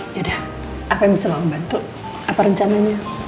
ya udah apa yang bisa kamu bantu apa rencananya